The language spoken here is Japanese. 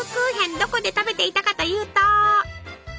どこで食べていたかというと。